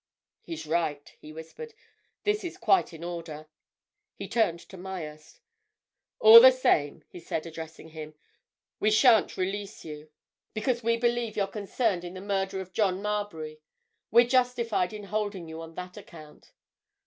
"He's right!" he whispered. "This is quite in order." He turned to Myerst. "All the same," he said, addressing him, "we shan't release you, because we believe you're concerned in the murder of John Marbury. We're justified in holding you on that account."